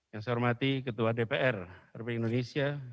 yang saya hormati ketua dpr republik indonesia